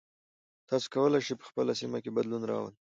تاسو کولی شئ په خپله سیمه کې بدلون راولئ.